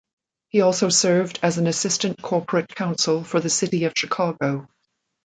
He also served as an assistant corporate counsel for the City of Chicago.